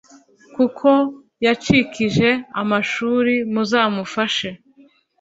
kuko yacikirije amashuri muzamufashe